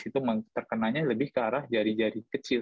itu terkenanya lebih ke arah jari jari kecil